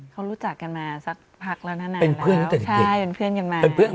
เค้ารู้จักกันมาสักพักแล้วนะมันเพื่อนกันไปเป็นเพื่อนแล้ว